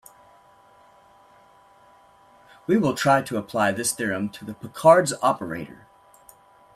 We will try to apply this theorem to the Picard's operator.